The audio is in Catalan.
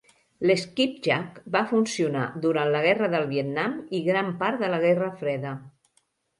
L'"Skipjack" va funcionar durant la Guerra del Vietnam i gran part de la Guerra Freda.